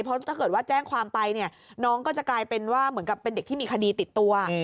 เพราะถ้าเกิดว่าแจ้งความไปเนี่ยน้องก็จะกลายเป็นว่าเหมือนกับเป็นเด็กที่มีคดีติดตัว